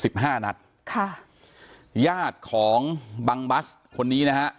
ปิดที่หน้าบ้านหลังเนี้ยสิบห้านัดค่ะญาติของบังบัสคนนี้นะฮะ